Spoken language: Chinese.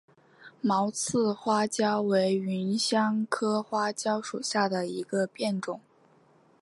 毛刺花椒为芸香科花椒属下的一个变种。